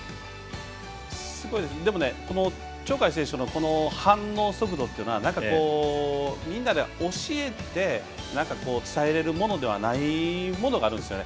でも、鳥海選手の反応速度っていうのはみんなが教えて伝えれるものじゃないものがあるんですね。